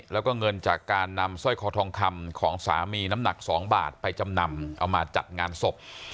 แล้วก็เงินจากการนำสร้อยคอทองคำของสามีน้ำหนัก๒บาทไปจำนำเอามาจัดงานศพ